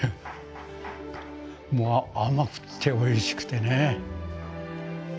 もう甘くっておいしくてね。